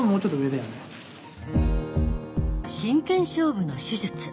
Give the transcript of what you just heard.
真剣勝負の手術。